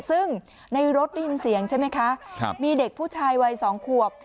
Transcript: ซึ่งในรถได้ยินเสียงใช่ไหมคะมีเด็กผู้ชายวัยสองขวบ